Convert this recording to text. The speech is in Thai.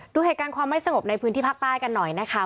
ดูเหตุการณ์ความไม่สงบในพื้นที่ภาคใต้กันหน่อยนะคะ